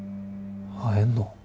会えんの？